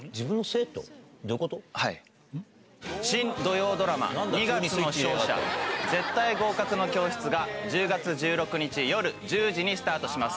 新土曜ドラマ、二月の勝者・絶対合格の教室が、１０月１６日夜１０時にスタートします。